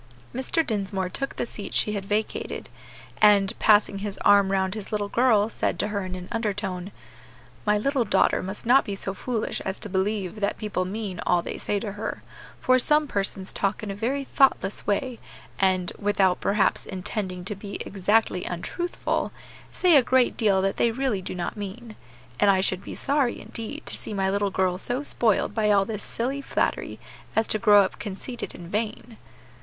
Mr. Dinsmore took the seat she had vacated, and, passing his arm round his little girl, said to her in an undertone, "My little daughter must not be so foolish as to believe that people mean all they say to her; for some persons talk in a very thoughtless way, and, without perhaps intending to be exactly untruthful, say a great deal that they really do not mean. And I should be sorry, indeed, to see my little girl so spoiled by all this silly flattery as to grow up conceited and vain."